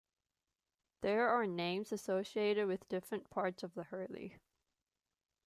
There are names associated with different parts of the hurley.